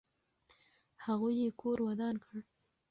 هغوی یې کور ودان کړ.